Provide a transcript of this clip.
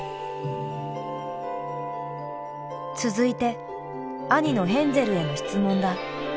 続いて兄のヘンゼルへの質問だ。